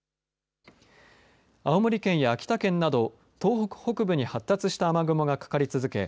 青森県や秋田県など東北北部に発達した雨雲がかかり続け